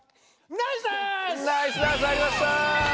ナイスダンス入りました！